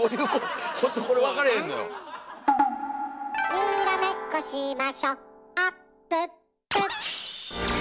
「にらめっこしましょあっぷっぷ」